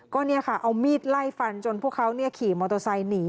ก็เนี่ยค่ะเอามีดไล่ฟันจนพวกเขาขี่มอเตอร์ไซค์หนี